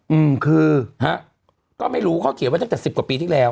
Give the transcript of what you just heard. อืมคือฮะก็ไม่รู้เขาเขียนไว้ตั้งแต่สิบกว่าปีที่แล้ว